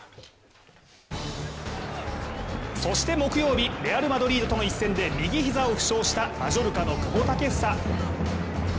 そして木曜日レアル・マドリードとの一戦で右膝を負傷したマジョルカの久保建英。